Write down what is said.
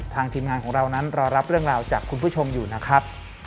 ทีมงานของเรานั้นรอรับเรื่องราวจากคุณผู้ชมอยู่นะครับ